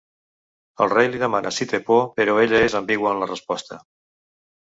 El rei li demana si té por però ella és ambigua en la seva resposta.